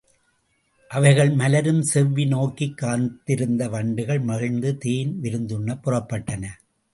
அவைகள் மலரும் செவ்வி நோக்கிக் காத்திருந்த வண்டுகள், மகிழ்ந்து தேன் விருந்துண்ணப் புறப்பட்டன.